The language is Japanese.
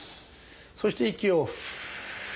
そして息を。